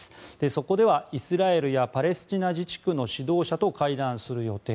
そこではイスラエルやパレスチナ自治区の指導者と会談する予定。